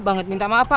banget minta maaf pak